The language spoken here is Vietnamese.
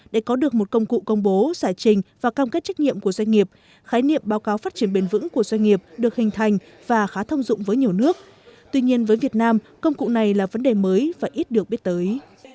để có được một công cụ công bố giải trình và cam kết trách nhiệm của doanh nghiệp khái niệm báo cáo phát triển bền vững của doanh nghiệp được hình thành và khá thông dụng với nhiều nước tuy nhiên với việt nam công cụ này là vấn đề mới và ít được biết tới